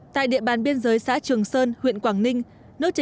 tại địa bàn biên giới xã trường sơn huyện quảng ninh